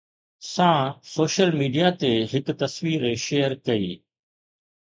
سان social media تي هڪ تصوير شيئر ڪئي